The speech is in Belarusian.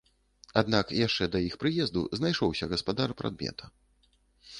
Аднак яшчэ да іх прыезду знайшоўся гаспадар прадмета.